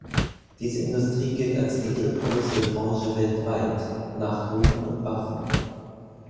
Diese Industrie gilt als die drittgrößte Branche weltweit, nach Drogen und Waffen.